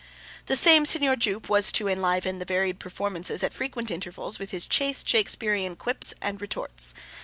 The same Signor Jupe was to 'enliven the varied performances at frequent intervals with his chaste Shaksperean quips and retorts.